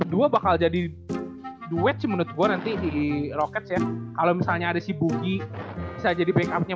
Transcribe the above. dua bakal jadi duet menurut gue nanti roket kalau misalnya ada si bugi saja di backupnya